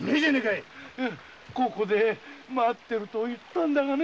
いここで待ってると言ったんだがね。